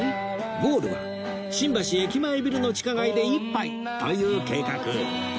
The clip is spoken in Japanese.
ゴールは新橋駅前ビルの地下街で一杯という計画